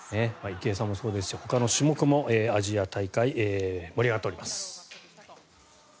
池江さんもそうですしほかの種目もアジア大会盛り上がっております。